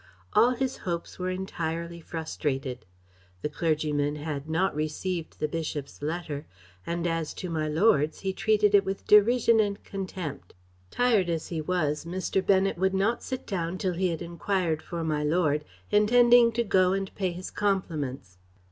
All his hopes were entirely frustrated; the clergyman had not received the bishop's letter, and as to my lord's he treated it with derision and contempt. Tired as he was, Mr. Bennet would not sit down till he had enquired for my lord, intending to go and pay his compliments.